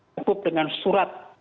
hukum dengan surat